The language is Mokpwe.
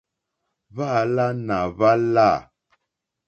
Hwáǎlánà hwá lâ.